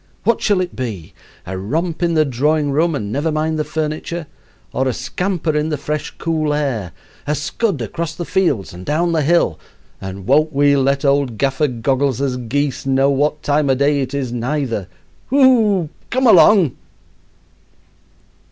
What shall it be? A romp in the drawing room and never mind the furniture, or a scamper in the fresh, cool air, a scud across the fields and down the hill, and won't we let old Gaffer Goggles' geese know what time o' day it is, neither! Whoop! come along."